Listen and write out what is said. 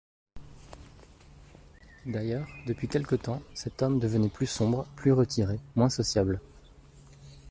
D'ailleurs, depuis quelque temps, cet homme devenait plus sombre, plus retiré, moins sociable.